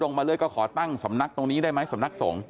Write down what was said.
มาเรื่อยก็ขอตั้งสำนักตรงนี้ได้ไหมสำนักสงฆ